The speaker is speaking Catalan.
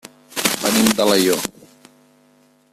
Venim d'Alaior.